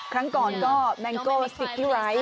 ครั้งก่อนก็แมงโก้สิกลิไรส์